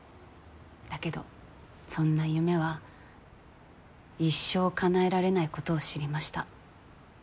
だけどそんな夢は一生かなえられないことを知りました。